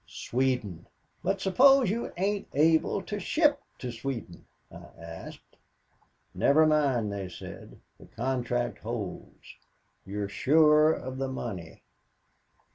Sweden! 'But, suppose you ain't able to ship to Sweden?' I asked. 'Never mind,' they said 'the contract holds you're sure of the money.'